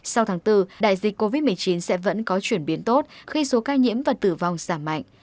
sau tháng bốn đại dịch covid một mươi chín sẽ vẫn có chuyển biến tốt khi số ca nhiễm và tử vong giảm mạnh